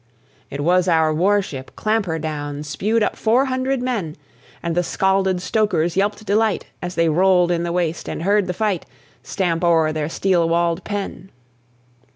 It was our war ship Clampherdown, Spewed up four hundred men; And the scalded stokers yelped delight, As they rolled in the waist and heard the fight, Stamp o'er their steel walled pen.